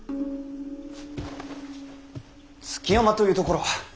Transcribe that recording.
築山という所は瀬名が。